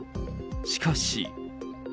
しかし。